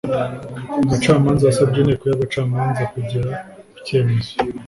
Umucamanza yasabye inteko y'abacamanza kugera ku cyemezo.